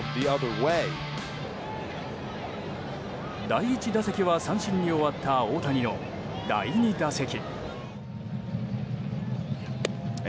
第１打席は三振に終わった大谷の第２打席。